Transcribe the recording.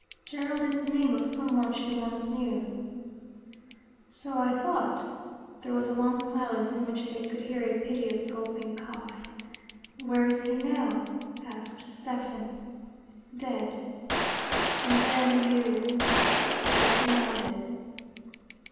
"Gerald is the name of some one she once knew." "So I thought." There was a long silence, in which they could hear a piteous gulping cough. "Where is he now?" asked Stephen. "Dead." "And then you ?" Rickie nodded.